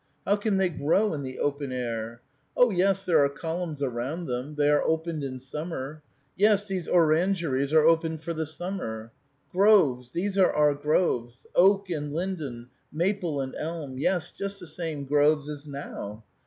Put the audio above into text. How can they grow in the open air? O yes, there are columns around them ; they are opened in summer ; yes, these orangeries are opened for the summer. Groves; these are our groves — oak and linden, maple and elm ; yes, just the same groves as now.